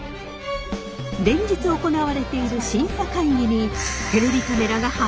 連日行われている審査会議にテレビカメラが初潜入！